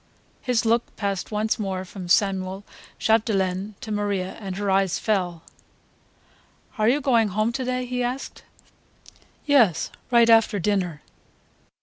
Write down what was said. His look passed once more from Samuel Chapdelaine to Maria, and her eyes fell. "Are you going home to day?" he asked. "Yes; right after dinner."